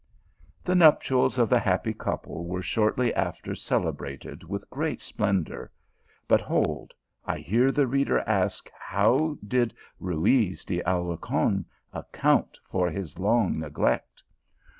The nuptials of the happy couple were shortly after celebrated with great splendour, but hold, I hear the reader ask how did Ruyz de Alarcon ac count for his long neglect